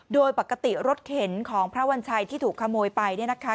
โดยปกติรถเข็นของพระวัญชัยที่ถูกขโมยไปเนี่ยนะคะ